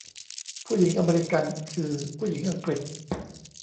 ผู้หญิงอเมริกันคือผู้หญิงอังกฤษ